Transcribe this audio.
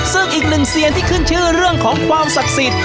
ซึ่งอีกหนึ่งเซียนที่ขึ้นชื่อเรื่องของความศักดิ์สิทธิ์